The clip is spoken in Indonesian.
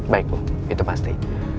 baik bu itu pasti